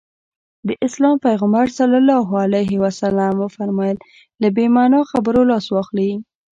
د اسلام پيغمبر ص وفرمايل له بې معنا خبرو لاس واخلي.